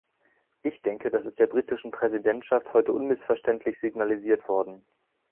Ich denke, das ist der britischen Präsidentschaft heute unmissverständlich signalisiert worden.